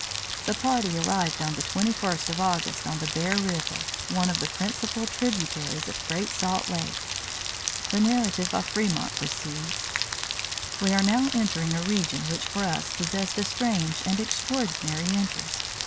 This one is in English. The party arrived on the 21st of August on the Bear River, one of the principal tributaries of Great Salt Lake. The narrative of Fremont proceeds: "We were now entering a region, which for us possessed a strange and extraordinary interest.